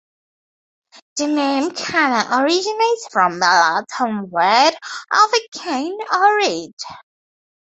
The name "Canna" originates from the Latin word for a cane or reed.